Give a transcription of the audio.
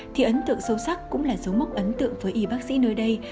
thì ấn tượng sâu sắc cũng là dấu mốc ấn tượng với y bác sĩ nơi đây